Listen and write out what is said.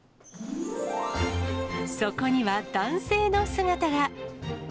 そこには男性の姿が。